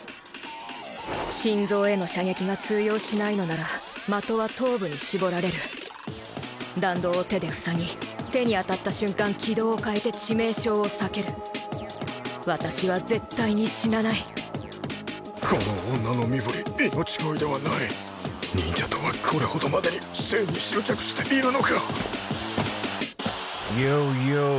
心臓への射撃が通用しないのなら的は頭部に絞られる弾道を手で防ぎ手に当たった瞬間軌道を変えて致命傷を避ける私は絶対に死なないこの女の身振り命乞いではない忍者とはこれほどまでに生に執着しているのかＹＯＹＯ！